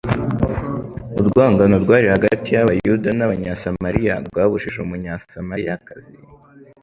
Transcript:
Urwangano rwari hagati y’Abayuda n’Abanyasamariya rwabujije Umunyasamariyakazi